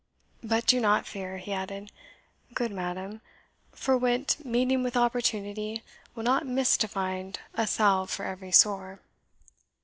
But do not fear," he added, "good madam; for wit, meeting with opportunity, will not miss to find a salve for every sore."